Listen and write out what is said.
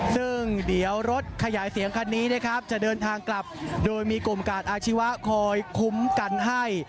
ซึ่งเดี๋ยวรถขยายเสียงคันนี้นะครับจะเดินทางกลับโดยมีกลุ่มกาดอาชีวะคอยคุ้มกันให้